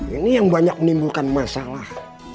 ini yang banyak menimbulkan masalah